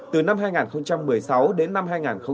từ năm hai nghìn một mươi sáu đến năm hai nghìn hai mươi một